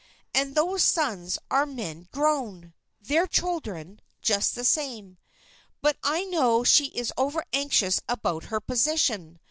And those sons are men grown!" "Their children, just the same. But I know she is over anxious about her position.